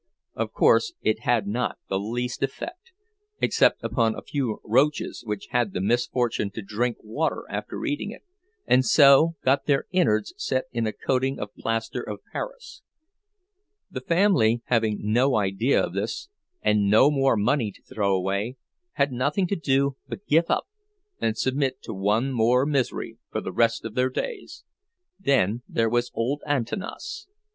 Of course it had not the least effect, except upon a few roaches which had the misfortune to drink water after eating it, and so got their inwards set in a coating of plaster of Paris. The family, having no idea of this, and no more money to throw away, had nothing to do but give up and submit to one more misery for the rest of their days. Then there was old Antanas.